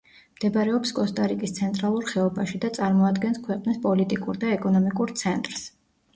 მდებარეობს კოსტა-რიკის ცენტრალურ ხეობაში და წარმოადგენს ქვეყნის პოლიტიკურ და ეკონომიკურ ცენტრს.